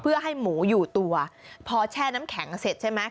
เพื่อให้หมูอยู่ตัวพอแช่น้ำแข็งเสร็จใช่ไหม